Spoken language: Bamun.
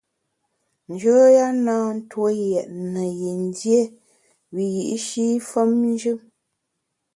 Njoya na ntue yètne yin dié wiyi’shi femnjù.